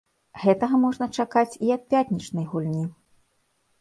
Гэтага можна чакаць і ад пятнічнай гульні.